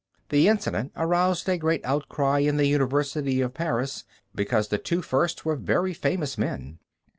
This incident aroused a great outcry in the University of Paris, because the two first were very famous men.